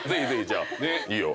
いいよ。